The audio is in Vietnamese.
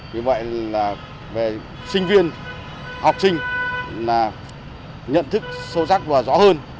vì vậy về sinh viên học sinh nhận thức sâu sắc và rõ hơn